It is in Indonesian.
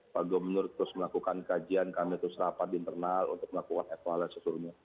pak gubernur terus melakukan kajian kami terus rapat di internal untuk melakukan evaluasi sesungguhnya